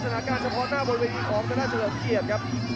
เจอกันแก้สนากาศพละหน้าบนพี่คอมจะได้เฉลิมเกียจครับ